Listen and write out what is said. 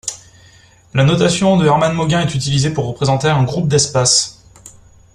La notation de Hermann-Mauguin est utilisée pour représenter un groupe d'espace.